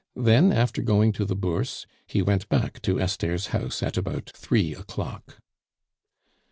Then, after going to the Bourse, he went back to Esther's house at about three o'clock.